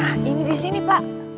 nah ini disini pak